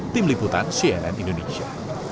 tim liputan cnn indonesia